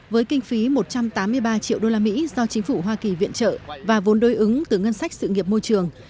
với kinh phí một trăm tám mươi ba triệu đô la mỹ do chính phủ hoa kỳ viện trợ và vốn đối ứng từ ngân sách sự nghiệp môi trường